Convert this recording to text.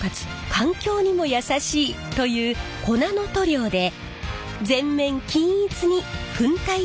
環境にも優しいという粉の塗料で全面均一に粉体塗装を行っています。